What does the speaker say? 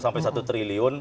sampai satu triliun